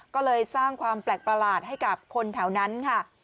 ก็เลยสร้างความแปลกประหลาดให้กับคนแถวนั้นค่ะ